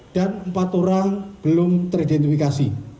dan empat orang belum teridentifikasi